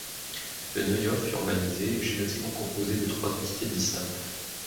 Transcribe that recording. Le Neuhof urbanisé est schématiquement composé de trois entités distinctes.